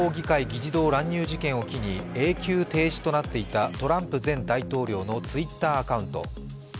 議事堂乱入事件を機に永久停止となっていたトランプ前大統領のＴｗｉｔｔｅｒアカウント。